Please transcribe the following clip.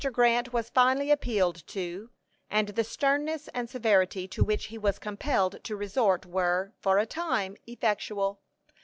Grant was finally appealed to; and the sternness and severity to which he was compelled to resort were, for a time, effectual.